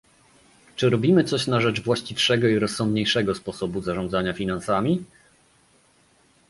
Czy robimy coś na rzecz właściwszego i rozsądniejszego sposobu zarządzania finansami?